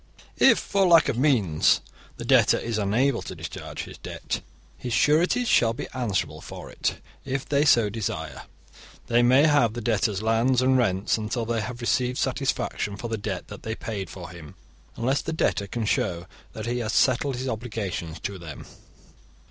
If, for lack of means, the debtor is unable to discharge his debt, his sureties shall be answerable for it. If they so desire, they may have the debtor's lands and rents until they have received satisfaction for the debt that they paid for him, unless the debtor can show that he has settled his obligations to them.